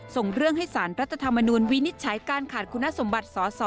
ส่งเรื่องให้สารรัฐธรรมนูลวินิจฉัยการขาดคุณสมบัติสอสอ